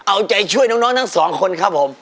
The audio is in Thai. เอาใจช่วยน้องทั้งสองคนครับผม